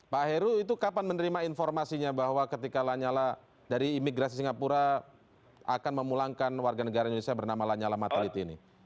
pak heru itu kapan menerima informasinya bahwa ketika lanyala dari imigrasi singapura akan memulangkan warga negara indonesia bernama lanyala mataliti ini